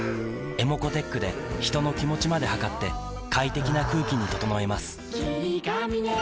ｅｍｏｃｏーｔｅｃｈで人の気持ちまで測って快適な空気に整えます